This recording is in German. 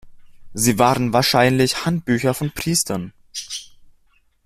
Sie waren wahrscheinlich Handbücher von Priestern.